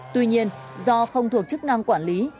tuy nhiên do không thuộc chức năng quản lý